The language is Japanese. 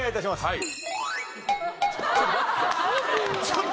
はい。